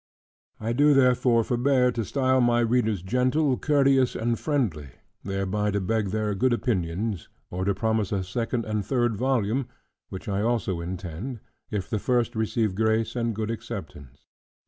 I do therefore forbear to style my readers gentle, courteous, and friendly, thereby to beg their good opinions, or to promise a second and third volume (which I also intend) if the first receive grace and good acceptance.